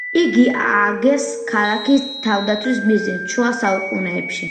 იგი ააგეს ქალაქის თავდაცვის მიზნით შუა საუკუნეებში.